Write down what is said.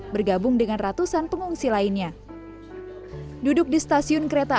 bergabung dengan ratusan pengungsi lainnya duduk di stasiun kereta